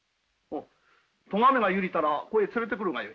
とがめがゆりたらここへ連れてくるがよい。